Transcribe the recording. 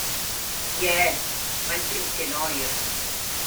Ie, mae'n blincin oer!